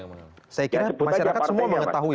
saya kira masyarakat semua mengetahui